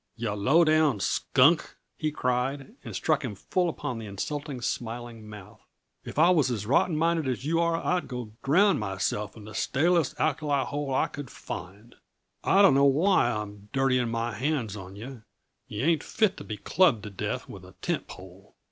"Yuh low down skunk!" he cried, and struck him full upon the insulting, smiling mouth. "If I was as rotten minded as you are, I'd go drown myself in the stalest alkali hole I could find. I dunno why I'm dirtying my hands on yuh yuh ain't fit to be clubbed to death with a tent pole!"